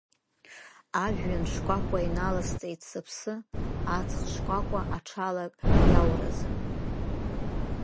Ажәҩан шкәакәа иналасҵеит сыԥсы, аҵх шкәакәа аҽалак иауразы.